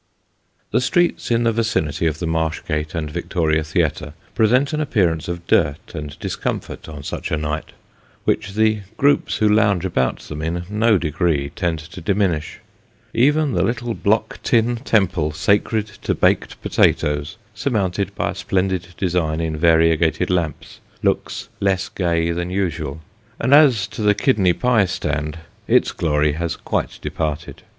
The streets in the vicinity of the Marsh Gate and Victoria Theatre present an appearance of dirt and discomfort on such a night, which the groups who lounge about them in no degree tend to diminish. Even the little block tin temple sacred to baked potatoes, surmounted by a splendid design in variegated lamps, looks less gay than usual ; and as to the kidney pie stand, its glory has quite departed.